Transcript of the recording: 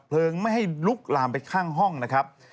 ไม่ให้ลุกลามไปข้างห้องนะครับ